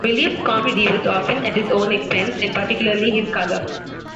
Williams' comedy was often at his own expense, and particularly his colour.